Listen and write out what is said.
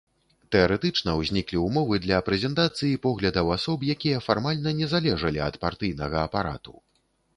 Тэарэтычна ўзніклі ўмовы для прэзентацыі поглядаў асоб, якія фармальна не залежалі ад партыйнага апарату.